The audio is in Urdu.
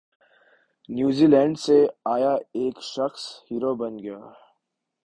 نیوزی لینڈ سے آیا ایک شخص ہیرو بن گیا